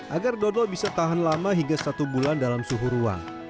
agar dodol bisa tahan lama hingga satu bulan dalam suhu ruang